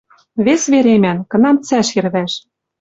Вес веремӓн, кынам цӓш йӹрвӓш.